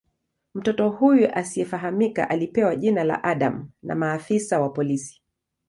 Mtoto huyu asiyefahamika alipewa jina la "Adam" na maafisa wa polisi.